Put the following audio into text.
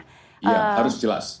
iya harus jelas